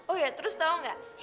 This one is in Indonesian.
oh ya terus tahu nggak